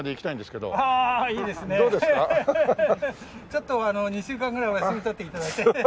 ちょっと２週間ぐらいお休み取って頂いて。